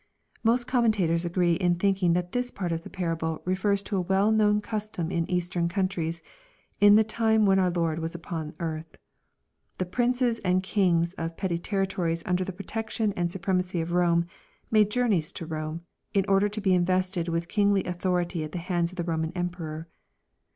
] Most commentators agree in thinking that this part of the parable refers to a well known custom in East ern countries, in the , time when our Lord was upon earth. The princes and kings of petty territories under the protection and su premacy of Rome, made journeys to Rome, in order to be invested with kingly authority at the hands of the Roman Emperor.